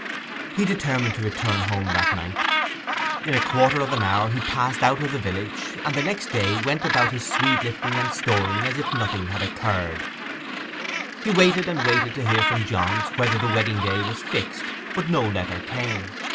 He determined to return home that night. In a quarter of an hour he passed out of the village, and the next day went about his swede lifting and storing as if nothing had occurred. He waited and waited to hear from Johns whether the wedding day was fixed: but no letter came.